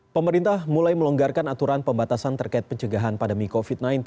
pemerintah mulai melonggarkan aturan pembatasan terkait pencegahan pandemi covid sembilan belas